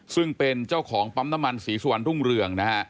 ซึ่งเป็นเจ้าของปั๊มน้ำมันศรีสวรรค์ดุ้งเรือง